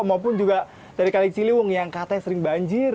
maupun juga dari kali ciliwung yang katanya sering banjir